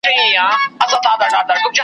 په خپله خر نه لري د بل پر آس خاندي